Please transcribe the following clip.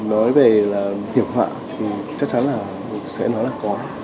nói về là hiểm họa thì chắc chắn là sẽ nói là có